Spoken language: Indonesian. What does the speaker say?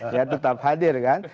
dia tetap hadir kan